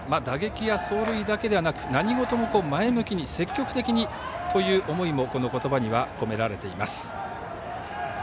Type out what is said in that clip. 打撃や走塁だけではなく何事も前向きに積極的にという思いもこの言葉には込められています。